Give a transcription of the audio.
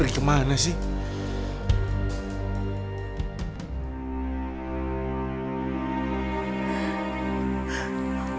makasih ya sayang